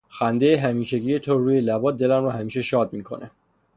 خنده همیشگی تو روی لبات دلم رو همیشه شاد میکنه